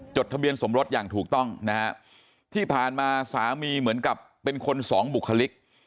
ทะเบียนสมรสอย่างถูกต้องนะฮะที่ผ่านมาสามีเหมือนกับเป็นคนสองบุคลิก